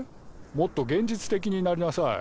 もっと現実的になりなさい。